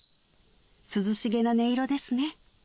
涼しげな音色ですね